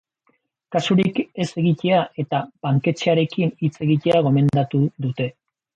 Kasurik ez egitea eta banketxearekin hitz egitea gomendatu dute.